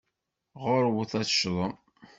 Ɣurwet ad tecḍem.